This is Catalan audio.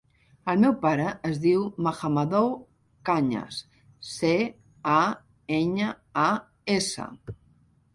El meu pare es diu Mahamadou Cañas: ce, a, enya, a, essa.